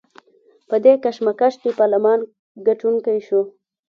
په دې کشمکش کې پارلمان ګټونکی شو.